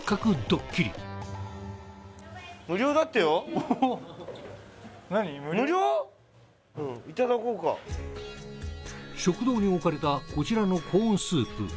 ドッキリ食堂に置かれたこちらのコーンスープ